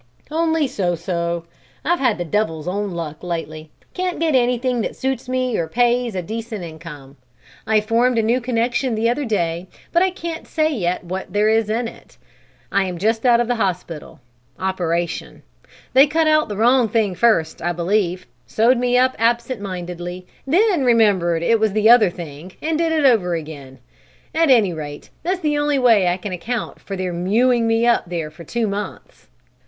"Only so so. I've had the devil's own luck lately. Can't get anything that suits me or that pays a decent income. I formed a new connection the other day, but I can't say yet what there is in it. I'm just out of hospital; operation; they cut out the wrong thing first, I believe, sewed me up absent mindedly, then remembered it was the other thing, and did it over again. At any rate, that's the only way I can account for their mewing me up there for two months."